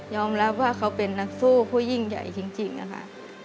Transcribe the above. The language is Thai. รับว่าเขาเป็นนักสู้ผู้ยิ่งใหญ่จริงนะคะ